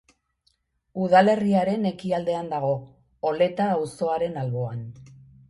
Udalerriaren ekialdean dago, Oleta auzoaren alboan.